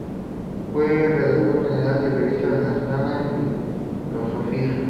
Fue redactor general de la Revista Venezolana de Filosofía.